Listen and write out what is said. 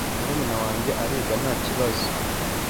murumuna wanjye ariga nta kibazo